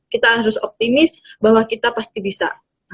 kita harus optimis bahwa kita pasti bisa